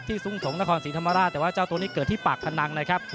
สูงสงศนครศรีธรรมราชแต่ว่าเจ้าตัวนี้เกิดที่ปากพนังนะครับ